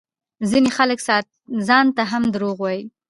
ځينې خلک ځانته هم دروغ وايي